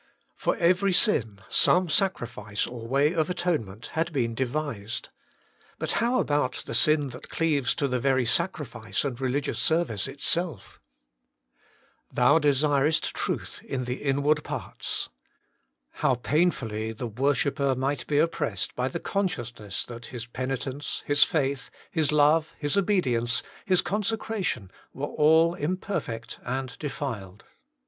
For every sin some sacrifice or way of atonement had been devised, HOLINESS AND MEDIATION. 83 But how about the sin that cleaves to the very sacrifice and religious service itself ?' Thou desirest truth in the inward parts.' How painfully the wor shipper might be oppressed by the consciousness that his penitence, his faith, his love, his obedience, his consecration, were all imperfect and defiled